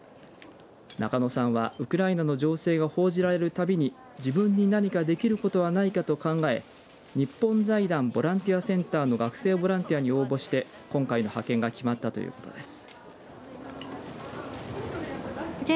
中野さんは、ウクライナの情勢が報じられるたびに自分に何かできることはないかと考え日本財団ボランティアセンターの学生ボランティアに応募して今回の派遣が決まったということです。